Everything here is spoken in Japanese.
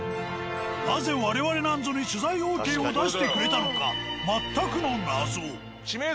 なぜ我々なんぞに取材ＯＫを出してくれたのか全くの謎。